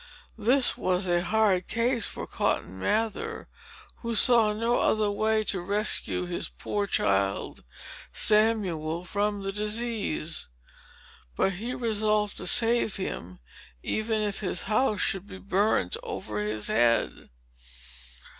This was a hard case for Cotton Mather, who saw no other way to rescue his poor child Samuel from the disease. But he resolved to save him, even if his house should be burnt over his head.